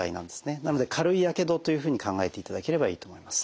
なので軽いやけどというふうに考えていただければいいと思います。